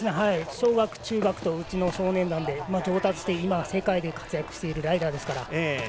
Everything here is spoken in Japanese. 小学、中学とうちの少年団で上達して今は世界で活躍しているライダーですから。